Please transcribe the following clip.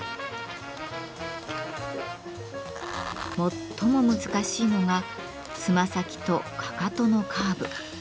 最も難しいのがつま先とかかとのカーブ。